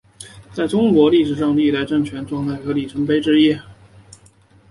在中国历史上是历代政权的状态和里程碑之一。